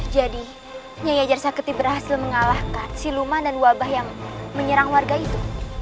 jadi nyai yajar saketi berhasil mengalahkan si luma dan wabah yang menyerang warga itu